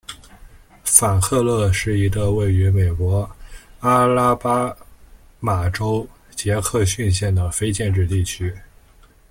法克勒是一个位于美国阿拉巴马州杰克逊县的非建制地区。